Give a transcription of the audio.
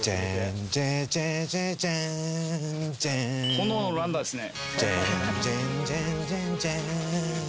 『炎のランナー』ですね。